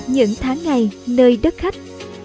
những tháng ngày nơi đất khách